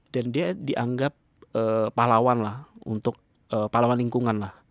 dan dia dianggap pahlawan lah pahlawan lingkungan lah